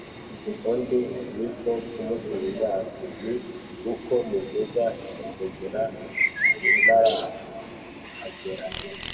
Undi ni ko kumusubiza ati “ni uko muvuza inzogera ntarahagera!”